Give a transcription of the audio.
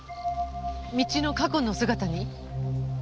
道の過去の姿に。